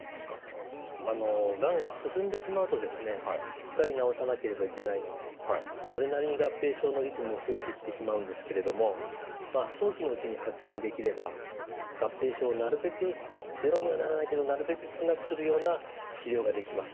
しっかり治さなければいけないのでそれなりに合併症の率も増えていってしまうんですけれどもまあ早期のうちに発見できれば合併症をなるべくゼロにはならないけどなるべく少なくするような治療ができます。